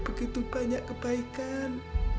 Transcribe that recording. begitu banyak kebaikan